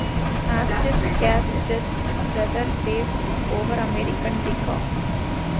After Kapp's death, his brother Dave took over American Decca.